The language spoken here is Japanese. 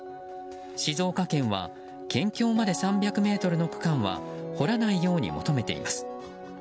静岡県は県境まで３００ｍの区間は掘らないように求めています。